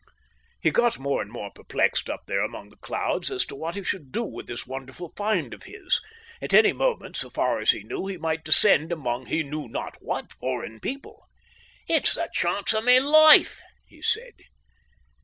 He got more and more perplexed up there among the clouds as to what he should do with this wonderful find of his. At any moment, so far as he knew he might descend among he knew not what foreign people. "It's the chance of my life!" he said.